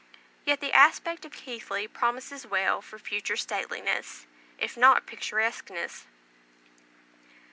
Yet the aspect of Keighley promises well for future stateliness, if not picturesqueness.